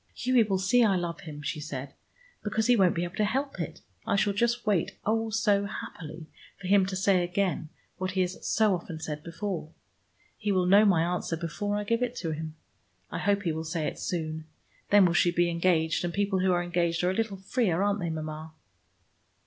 "Hughie will see I love him," she said, "because he won't be able to help it. I shall just wait, oh, so happily, for him to say again what he has so often said before. He will know my answer, before I give it him. I hope he will say it soon. Then we shall be engaged, and people who are engaged are a little freer, aren't they, Mama?"